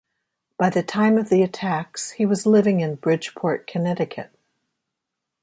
By the time of the attacks, he was living in Bridgeport, Connecticut.